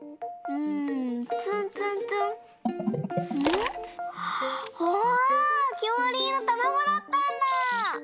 うわきょうりゅうのたまごだったんだ！